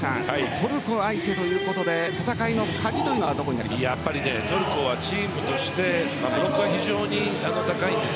トルコ相手ということで戦いの鍵というのはトルコはチームとしてブロックが非常に高いんです。